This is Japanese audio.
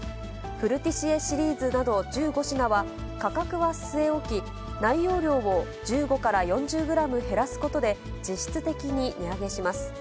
フルティシエシリーズなど１５品は価格は据え置き、内容量を１５から４０グラム減らすことで、実質的に値上げします。